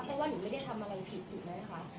เพราะว่าหนึ่งไม่ได้ทำอะไรผิดหรือไม่คะ